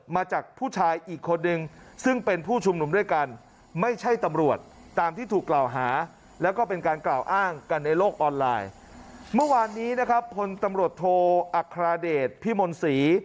เมื่อวานนี้นะครับผลตำรวจโทอัครเดชน์พี่มนต์ศรี